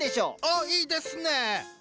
おっいいですね。